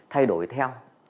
thay đổi theo